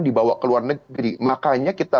dibawa ke luar negeri makanya kita